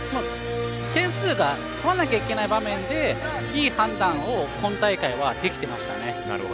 点数を取らなきゃいけない場面でいい判断を今大会はできてましたね。